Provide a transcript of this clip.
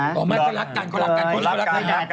อ๋อมันคือรักกันคือรักกัน